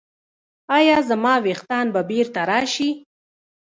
ایا زما ویښتان به بیرته راشي؟